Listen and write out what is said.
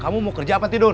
kamu mau kerja apa tidur